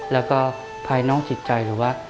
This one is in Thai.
แล้วก็ภายนอกจิตใจหรือว่า